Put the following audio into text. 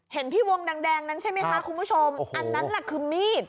เห็นที่วงแดงนั้นใช่ไหมคะคุณผู้ชมอันนั้นแหละคือมีด